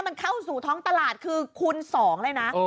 มันเข้าสู่ท้องตลาดคือคูณ๒เลยนะ